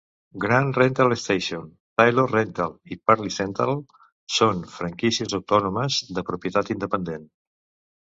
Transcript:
Grand Rental Station, Taylor Rental i Party Central són franquícies autònomes, de propietat independent.